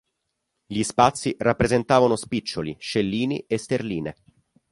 Gli spazi rappresentavano spiccioli, scellini e sterline.